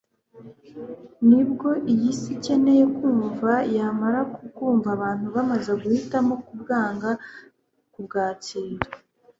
nibwo iy'isi ikeneye kumva yamara kubwumva abantu bamaze guhitamo kubwanga kubwakira